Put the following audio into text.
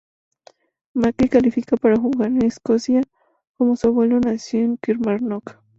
Mackie califica para jugar en Escocia como su abuelo nació en Kilmarnock.